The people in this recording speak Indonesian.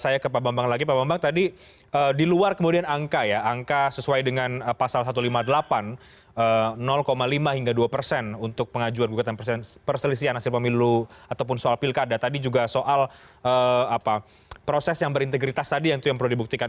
jadi tadi tadi juga soal proses yang berintegritas tadi itu yang perlu dibuktikan